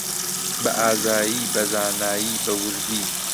بەئازایی، بەزانایی، بەوردی